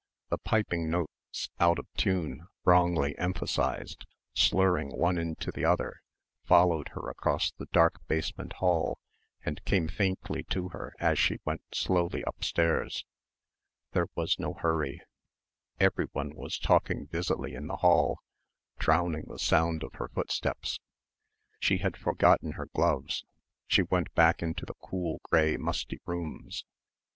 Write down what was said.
The piping notes, out of tune, wrongly emphasised, slurring one into the other, followed her across the dark basement hall and came faintly to her as she went slowly upstairs. There was no hurry. Everyone was talking busily in the hall, drowning the sound of her footsteps. She had forgotten her gloves. She went back into the cool grey musty rooms.